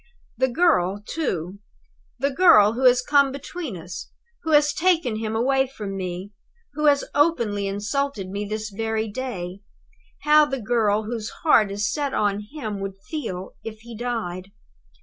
"The girl, too the girl who has come between us; who has taken him away from me; who has openly insulted me this very day how the girl whose heart is set on him would feel it if he died!